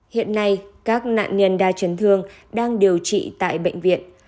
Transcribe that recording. hiện nay các nạn nhân đa chấn thương đang điều trị tại bệnh viện